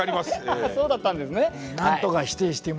そうだったんですね。